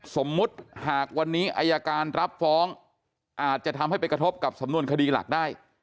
สมมุติหากวันนี้อายการรับฟ้องอาจจะทำให้ไปกระทบกับสำนวนคดีหลักได้